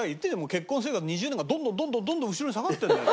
結婚生活２０年がどんどんどんどんどんどん後ろに下がってるんだよ。